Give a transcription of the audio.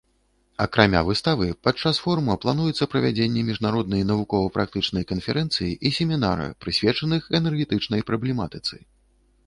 Акрамя выставы, падчас форума плануецца правядзенне міжнароднай навукова-практычнай канферэнцыі і семінара, прысвечаных энергетычнай праблематыцы.